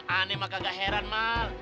aneh mah gak heran mal